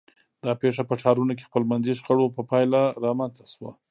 دا پېښه په ښارونو کې خپلمنځي شخړو په پایله رامنځته شوه.